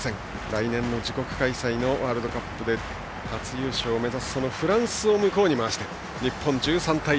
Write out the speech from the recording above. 来年の自国開催のワールドカップ初優勝を目指すフランスを向こうに回して日本、１３対１３。